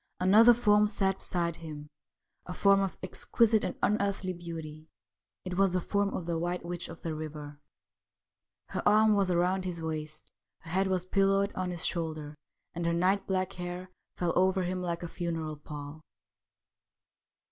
Another form sat beside him — a form of exquisite and unearthly beauty. It was the form of the White Witch of the River ; her arm was round his waist, her head was pillowed on his shoulder, and her night black hair fell over him like a funeral pall.